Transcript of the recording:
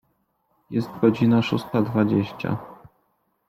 Jest godzina szósta dwadzieścia.